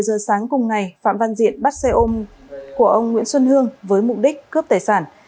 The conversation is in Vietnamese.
ba giờ sáng cùng ngày phạm văn diện bắt xe ôm của ông nguyễn xuân hương với mục đích cướp tài sản